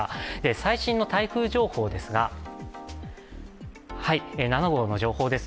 最新の台風情報ですが、７号の情報です。